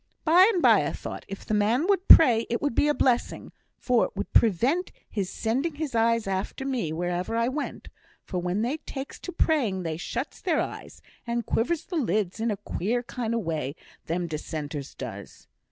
By and by I thought, if the man would pray it would be a blessing, for it would prevent his sending his eyes after me wherever I went; for when they takes to praying they shuts their eyes, and quivers th' lids in a queer kind o' way them Dissenters does.